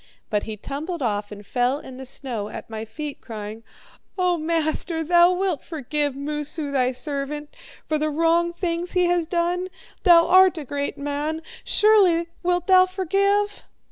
But he tumbled off and fell in the snow at my feet, crying: 'O master, thou wilt forgive Moosu, thy servant, for the wrong things he has done! Thou art a great man! Surely wilt thou forgive!'